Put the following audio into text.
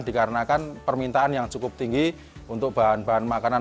dikarenakan permintaan yang cukup tinggi untuk bahan bahan makanan